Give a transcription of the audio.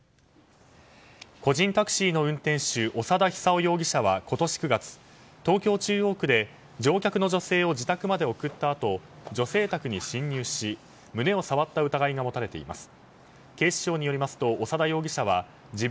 個人タクシーの運転手長田久雄容疑者は今年９月東京・中央区で乗客の女性を自宅まで送ったあと女性宅に侵入し胸を触った疑いが持たれています。